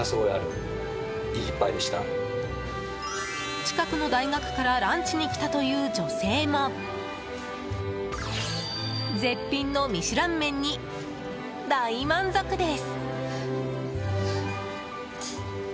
近くの大学からランチに来たという女性も絶品のミシュラン麺に大満足です。